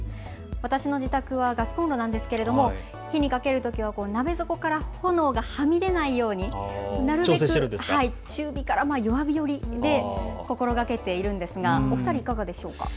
私の自宅はガスコンロなんですけれども火にかけるときは鍋底から炎がはみ出ないようになるべく中火から弱火を心がけているんですがお二人いかがでしょうか。